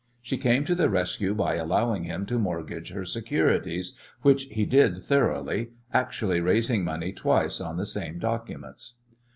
She came to the rescue by allowing him to mortgage her securities, which he did thoroughly, actually raising money twice on the same documents.